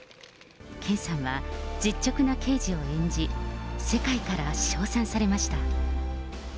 健さんは、実直な刑事を演じ、世界から称賛されました。